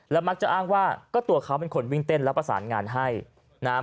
มักจะอ้างว่าก็ตัวเขาเป็นคนวิ่งเต้นแล้วประสานงานให้นะครับ